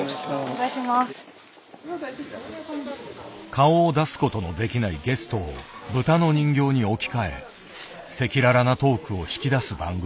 顔を出すことのできないゲストをブタの人形に置き換え赤裸々なトークを引き出す番組。